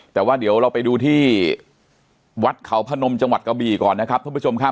แต่ว่าเดี๋ยวเราไปดูที่วัดเขาพนมจังหวัดกะบี่ก่อนนะครับท่านผู้ชมครับ